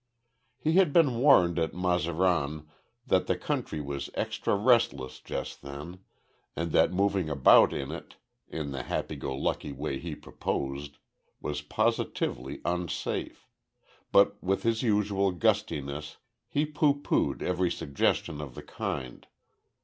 He had been warned at Mazaran that the country was extra restless just then, and that moving about in it, in the happy go lucky way he proposed, was positively unsafe; but with his usual gustiness, he pooh poohed every suggestion of the kind.